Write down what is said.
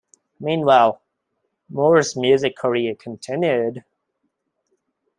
Meanwhile, Moore's music career continued.